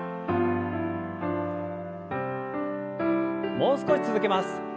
もう少し続けます。